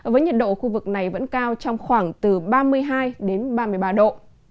với nhiệt độ khu vực này vẫn cao trong khoảng từ ba mươi hai ba mươi ba độ